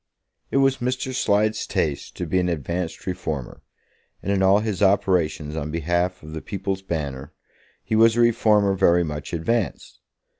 It was Mr. Slide's taste to be an advanced reformer, and in all his operations on behalf of the People's Banner he was a reformer very much advanced.